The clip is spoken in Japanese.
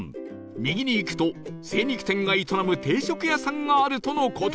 右に行くと精肉店が営む定食屋さんがあるとの事